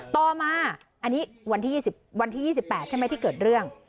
ต่อมาอันนี้วันที่๒๘ใช่ไหมที่เกิดเรื่อง